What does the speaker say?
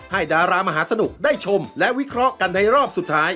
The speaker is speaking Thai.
ดารามหาสนุกได้ชมและวิเคราะห์กันในรอบสุดท้าย